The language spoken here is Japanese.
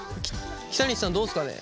北西さんどうですかね？